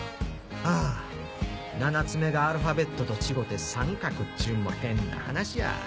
あぁ７つ目がアルファベットと違て三角っちゅうんも変な話や。